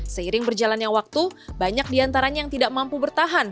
seiring berjalannya waktu banyak diantaranya yang tidak mampu bertahan